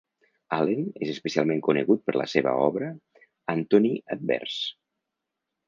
Allen és especialment conegut per la seva obra "Anthony Adverse".